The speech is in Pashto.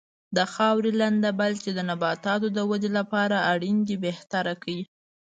د خاورې لنده بل چې د نباتاتو د ودې لپاره اړین دی بهتره کړي.